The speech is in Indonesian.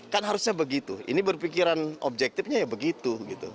kan harusnya begitu ini berpikiran objektifnya ya begitu